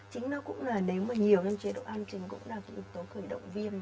chính nó cũng là nếu mà nhiều chế độ ăn thì cũng là một tố khởi động viêm